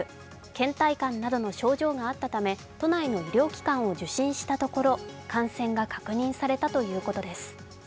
けん怠感などの症状があったため、都内の医療機関を受診したところ、感染が確認されたということです。